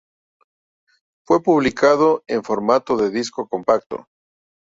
Fue publicado en formato de disco compacto.